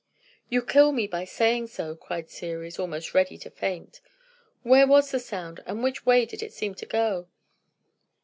"You kill me by saying so," cried Ceres, almost ready to faint. "Where was the sound, and which way did it seem to go?"